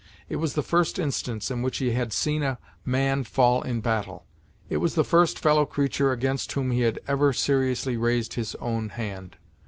It was the first instance in which he had seen a man fall in battle it was the first fellow creature against whom he had ever seriously raised his own hand.